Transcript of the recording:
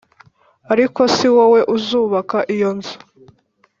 Ariko si wowe uzubaka iyo nzu